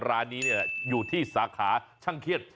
ร้านนี้อยู่ที่สาขาช่างเครียด